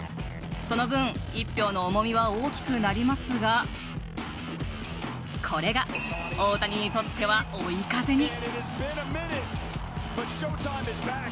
その分１票の重みは大きくなりますがこれが大谷にとっては追い風に。